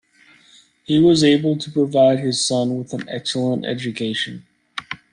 He was able to provide his son with an excellent education.